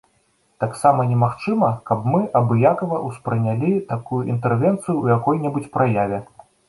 Таксама немагчыма каб мы абыякава ўспрынялі такую інтэрвенцыю ў якой-небудзь праяве.